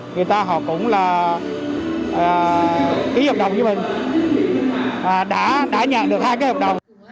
người ta họ cũng là ký hợp đồng với mình và đã nhận được hai cái hợp đồng